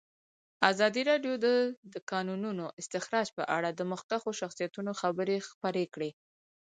ازادي راډیو د د کانونو استخراج په اړه د مخکښو شخصیتونو خبرې خپرې کړي.